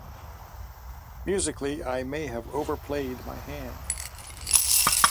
Musically I may have overplayed my hand.